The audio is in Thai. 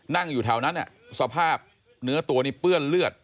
นั่งอยู่แถวนั้นสภาพเนื้อตัวนี้เปื้อนเลือด